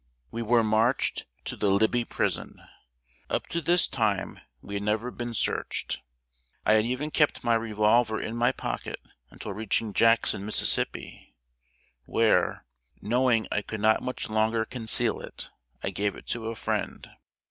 We were marched to the Libby Prison. Up to this time we had never been searched. I had even kept my revolver in my pocket until reaching Jackson, Mississippi, where, knowing I could not much longer conceal it, I gave it to a friend.